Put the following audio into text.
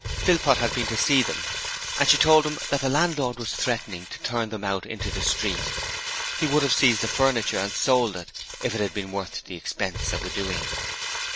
Philpot had been to see them, and she told him that the landlord was threatening to turn them into the street; he would have seized their furniture and sold it if it had been worth the expense of the doing.